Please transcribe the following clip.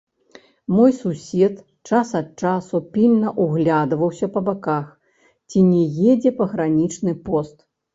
Мой сусед час ад часу пільна ўглядаўся па баках, ці не едзе пагранічны пост.